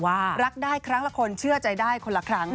รักได้ครั้งละคนเชื่อใจได้คนละครั้ง